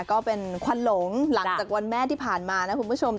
ก็เป็นควันหลงหลังจากวันแม่ที่ผ่านมานะคุณผู้ชม